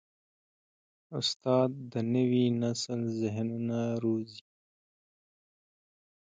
استاد د نوي نسل ذهنونه روزي.